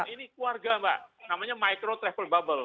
ini keluarga mbak namanya micro travel bubble